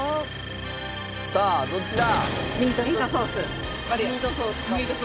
さあどっちだ？